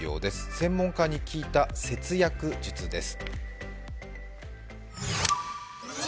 専門家に聞いた節約術です。